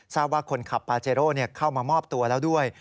ทราบว่าคนขับปาเจโร่เข้ามามอบตัวแล้วด้วย